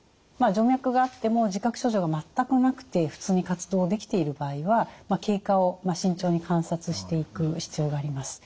徐脈があっても自覚症状が全くなくて普通に活動できている場合は経過を慎重に観察していく必要があります。